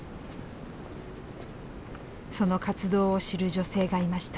その活動を知る女性がいました。